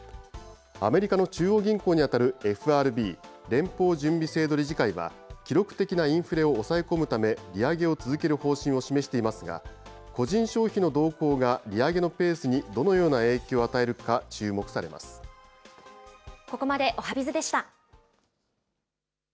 アメリカの中央銀行に当たるＦＲＢ・連邦準備制度理事会は、記録的なインフレを抑え込むため利上げを続ける方針を示していますが、個人消費の動向が利上げのペースにどのような影響を与えるここまで、おはＢｉｚでした。